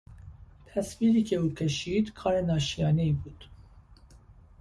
تصویری که او کشید کار ناشیانهای بود.